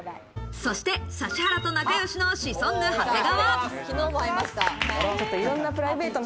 そして指原と仲よしのシソンヌ・長谷川。